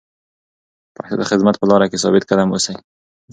پښتو ته د خدمت په لاره کې ثابت قدم اوسئ.